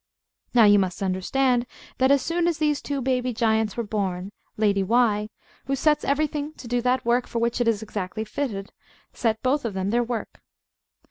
Now you must understand that, as soon as these two baby giants were born, Lady Why, who sets everything to do that work for which it is exactly fitted, set both of them their work.